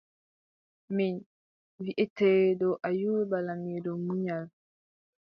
Min wiʼeteeɗo Ayuuba laamiɗo munyal.